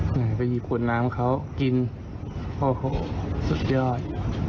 ไหนไปหยิบขวดน้ำเขากินพ่อเขาสุดยอด